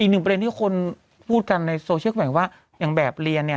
อีกหนึ่งประเด็นที่คนพูดกันในโซเชียลก็คือแบบเรียน